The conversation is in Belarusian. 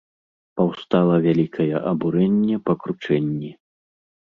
Паўстала вялікае абурэнне па кручэнні.